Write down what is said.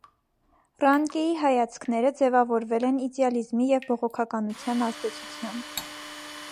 Ռանկեի հայացքները ձևավորվել են իդեալիզմի և բողոքականության ազդեցությամբ։